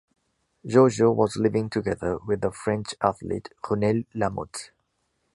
Georgio was living together with the French athlete Renelle Lamote.